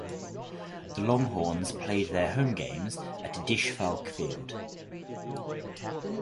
The Longhorns played their home games at Disch–Falk Field.